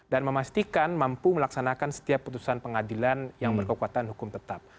dan memastikan mampu melaksanakan setiap putusan pengadilan yang berkekuatan hukum tetap